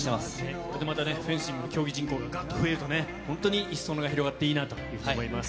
これでまたフェンシングの競技人口ががっと増えるとね、本当にすそ野が広がっていいなと思います。